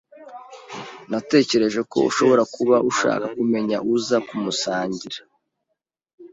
Natekereje ko ushobora kuba ushaka kumenya uza kumusangira.